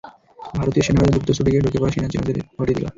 ভারতীয় সেনারা দ্রুত ছুটে গিয়ে ঢুকে পড়া চীনা সেনাদের হটিয়ে দেয়।